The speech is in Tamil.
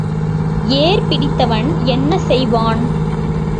ஏர் பிடித்தவன் என்ன செய்வான்?